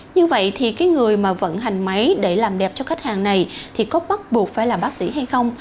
như vậy thì cái người mà vận hành máy để làm đẹp cho khách hàng này thì có bắt buộc phải là bác sĩ hay không